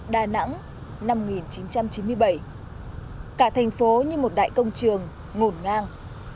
đà nẵng năm một nghìn chín trăm chín mươi bảy cả thành phố như một đại công trường ngổn ngang